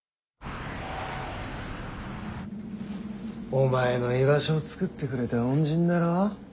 お前の居場所を作ってくれた恩人だろ。